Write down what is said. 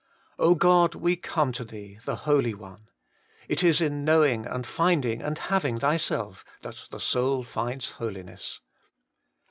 God ! we come to Thee, the Holy One. It is in knowing and finding and having Thyself, that 18 HOLY IN CHRIST. the soul finds Eoliness.